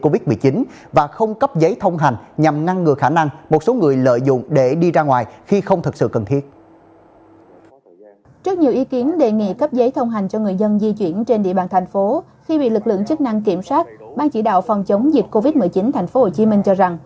việc này không cần thiết bởi có nguy cơ sẽ bị một số đối tượng lợi dụng để ra ngoài khi không thực sự cần thiết đồng thời yêu cầu lực lượng chức năng phải kiểm soát chặt chẽ để đảm bảo nghiêm chỉ thị một mươi sáu